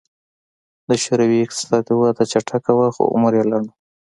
د شوروي اقتصادي وده چټکه وه خو عمر یې لنډ و